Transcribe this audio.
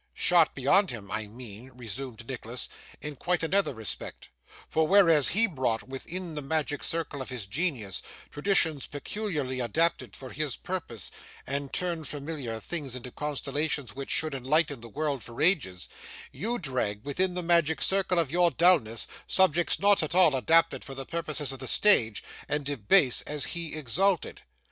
'Shot beyond him, I mean,' resumed Nicholas, 'in quite another respect, for, whereas he brought within the magic circle of his genius, traditions peculiarly adapted for his purpose, and turned familiar things into constellations which should enlighten the world for ages, you drag within the magic circle of your dulness, subjects not at all adapted to the purposes of the stage, and debase as he exalted.